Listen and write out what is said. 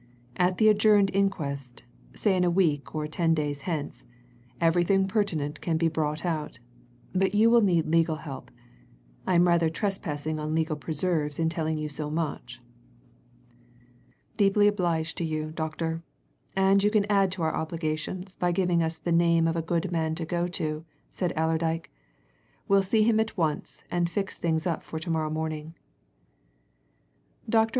At the adjourned inquest say in a week or ten days hence everything pertinent can be brought out. But you will need legal help I am rather trespassing on legal preserves in telling you so much." "Deeply obliged to you, doctor and you can add to our obigations by giving us the name of a good man to go to," said Allerdyke. "We'll see him at once and fix things up for to morrow morning." Dr.